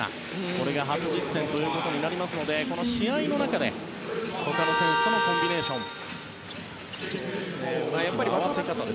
これが初実戦となりますのでこの試合の中で、他の選手とのコンビネーション、合わせ方。